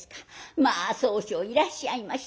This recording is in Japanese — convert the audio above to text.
「まあ宗匠いらっしゃいまし。